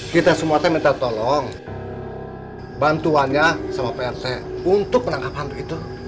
kita semua teh minta tolong bantuannya sama pak r t untuk menangkap hantu itu